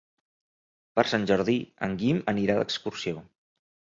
Per Sant Jordi en Guim anirà d'excursió.